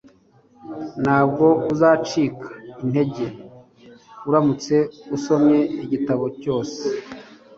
ntabwo uzacika intege uramutse usomye igitabo cyose